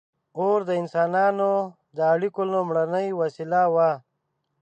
• اور د انسانانو د اړیکو لومړنۍ وسیله وه.